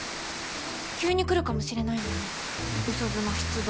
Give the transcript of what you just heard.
急に来るかもしれないもんねうそ妻出動。